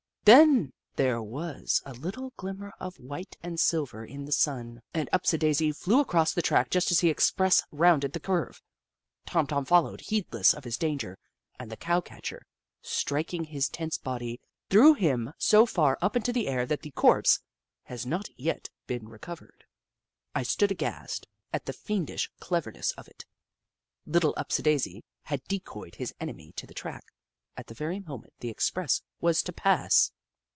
Then there was a little glim mer of white and silver in the sun, and Upsi daisi flew across the track just as the express rounded the curve. Tom Tom followed, heed less of his danger, and the cow catcher, strik ing his tense body, threw him so far up into the air that the corpse has not yet been recovered. I stood aghast at the fiendish cleverness of it. Little Upsidaisi had decoyed his enemy to the track, at the very moment the express was to pass